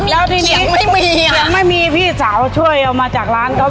แล้วทีนี้เขียงไม่มีอ่ะแล้วทีนี้เขียงไม่มีพี่สาวช่วยเอามาจากร้านเขา